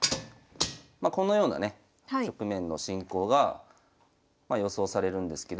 まこのようなね局面の進行が予想されるんですけど。